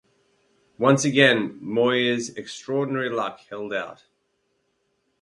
Once again Muir's extraordinary luck held out.